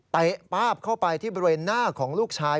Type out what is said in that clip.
ป้าบเข้าไปที่บริเวณหน้าของลูกชาย